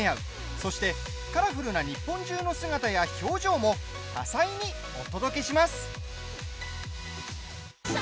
そして、カラフルな日本中の姿や表情も多彩にお届けします。